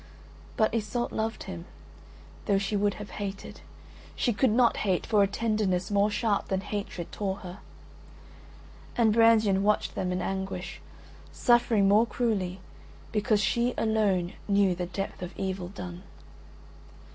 But Iseult loved him, though she would have hated. She could not hate, for a tenderness more sharp than hatred tore her. And Brangien watched them in anguish, suffering more cruelly because she alone knew the depth of evil done.